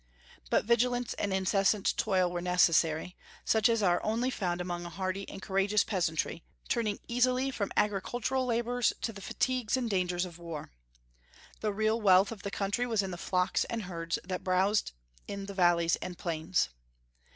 But vigilance and incessant toil were necessary, such as are only found among a hardy and courageous peasantry, turning easily from agricultural labors to the fatigues and dangers of war. The real wealth of the country was in the flocks and herds that browsed in the valleys and plains.